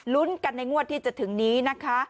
ลุ้นกันในงวดที่จะถึงนี้นะคะ